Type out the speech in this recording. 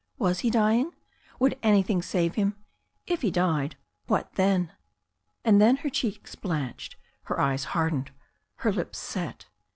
Was he dying? Would an3rthing save him? If he died — what then? And then her cheeks blanched, her eyes hardened, her lips set.